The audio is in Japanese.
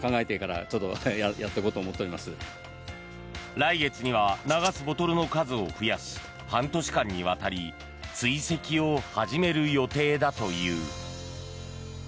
来月には流すボトルの数を増やし半年間にわたり追跡を始める予定だという。